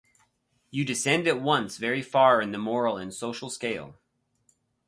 You descend at once very far in the moral and social scale.